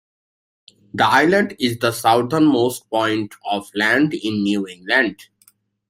The island is the southernmost point of land in New England.